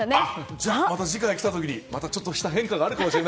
じゃあ、また次回来た時にちょっとした変化があるかも。